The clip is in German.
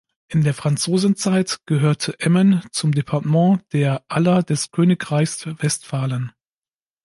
In der Franzosenzeit gehörte Emmen zum Departement der Aller des Königreichs Westphalen.